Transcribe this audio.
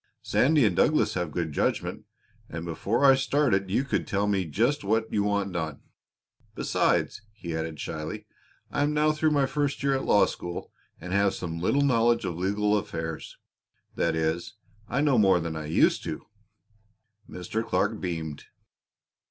Sandy and Douglas have good judgment, and before I started you could tell me just what you want done. Besides," he added shyly, "I am now through my first year at the Law School and have some little knowledge of legal affairs that is, I know more than I used to." Mr. Clark beamed.